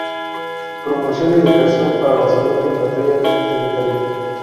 Promoción y educación para la salud en materia alimentaria.